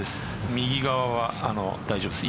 右側は大丈夫です。